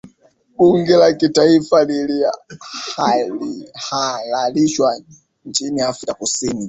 bunge la kitaifa lilihalalishwa nchini afrika kusini